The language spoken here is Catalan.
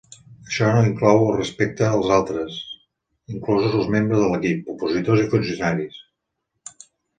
Això inclou el respecte als altres, inclosos els membres de l'equip, opositors i funcionaris.